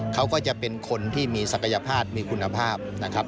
เขาก็จะเป็นคนที่มีศักยภาษณ์มีคุณภาพ